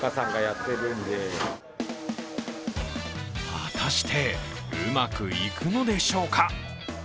果たして、うまくいくのでしょうか。